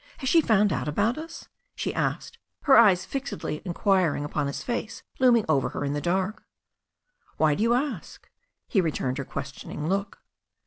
Has she found out about us?" she asked, her eyes fixed inquiringly upon his face looming over her in the dark. "Why do you ask that?" He returned her questioning look.